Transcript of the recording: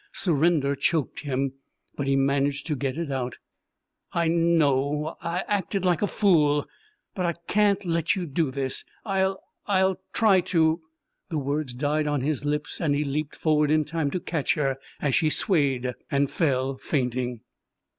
Surrender choked him, but he managed to get it out: "I know I acted like a fool. But I can't let you do this. I'll I'll try to " The words died on his lips and he leaped forward in time to catch her as she swayed and fell, fainting.